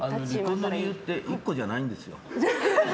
離婚の理由って１個じゃないんですよ。